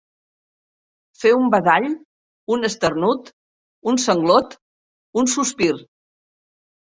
Fer un badall, un esternut, un sanglot, un sospir.